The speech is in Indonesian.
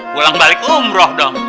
pulang balik umroh dong